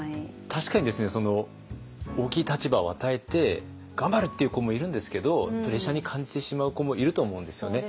確かにですね大きい立場を与えて頑張るっていう子もいるんですけどプレッシャーに感じてしまう子もいると思うんですよね。